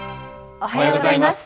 おはようございます。